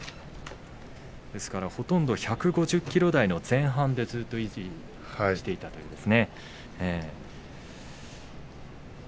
ほとんど１５０ｋｇ台の前半でずっと維持していたということですね。